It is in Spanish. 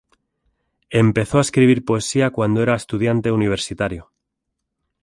Empezó a escribir poesía cuando era estudiante universitario.